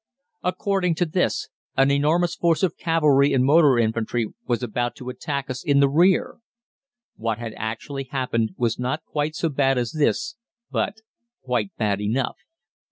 According to this, an enormous force of cavalry and motor infantry was about to attack us in the rear. What had actually happened was not quite so bad as this, but quite bad enough.